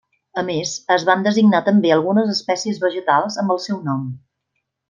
A més es van designar també algunes espècies vegetals amb el seu nom.